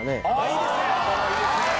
いいですね！